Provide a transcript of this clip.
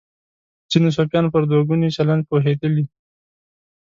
ځینې صوفیان پر دوه ګوني چلند پوهېدلي.